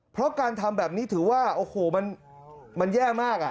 เพราะการทำแบบนี้ถือว่าโอ้โหมันแย่มาก